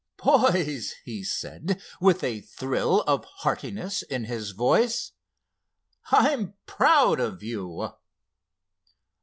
"Boys," he said, with a thrill of heartiness in his voice, "I'm proud of you!"